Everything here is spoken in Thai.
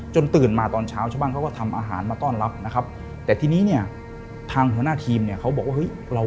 ตื่นมาตอนเช้าชาวบ้านเขาก็ทำอาหารมาต้อนรับนะครับแต่ทีนี้เนี่ยทางหัวหน้าทีมเนี่ยเขาบอกว่าเฮ้ยเรา